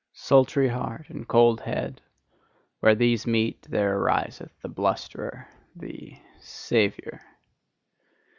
Sultry heart and cold head; where these meet, there ariseth the blusterer, the "Saviour."